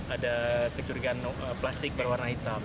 ada kecurigaan plastik berwarna hitam